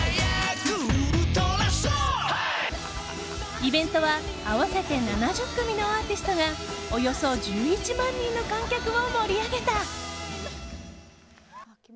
イベントは合わせて７０組のアーティストがおよそ１１万人の観客を盛り上げた。